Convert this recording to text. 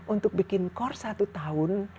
untuk bikin core satu tahun